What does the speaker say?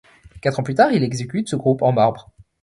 Quatre ans plus tard, il exécute ce groupe en marbre.